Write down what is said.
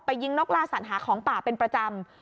ยิงนกล่าสัตว์หาของป่าเป็นประจำ